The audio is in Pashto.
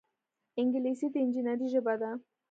انګلیسي د انجینرۍ ژبه ده